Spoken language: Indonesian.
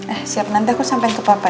eh siap nanda aku sampein ke papa ya